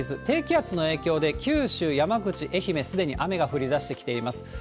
低気圧の影響で九州、山口、愛媛、すでに雨が降りだしてきています。